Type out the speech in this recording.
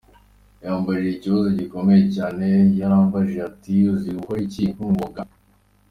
Yambajije ikibazo gikomeye cyane, yarambajije ati uzi gukora iki nk’umwuga?